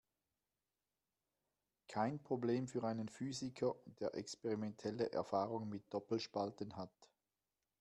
Kein Problem für einen Physiker, der experimentelle Erfahrung mit Doppelspalten hat.